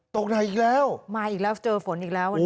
ตกไหนอีกแล้วมาอีกแล้วเจอฝนอีกแล้ววันนี้